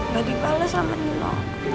gak dibales sama nino